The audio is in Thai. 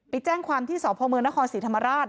ไปแจ้งความที่สพเมืองนครศรีธรรมราช